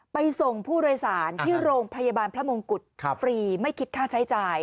ส่งผู้โดยสารที่โรงพยาบาลพระมงกุฎฟรีไม่คิดค่าใช้จ่าย